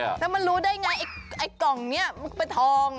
แล้วมันรู้ได้ไงไอ้กล่องนี้มันเป็นทอง